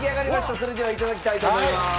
それでは頂きたいと思いまーす。